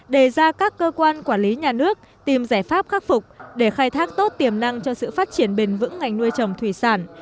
đề ra các cơ quan quản lý nhà nước tìm giải pháp khắc phục để khai thác tốt tiềm năng cho sự phát triển bền vững ngành nuôi trồng thủy sản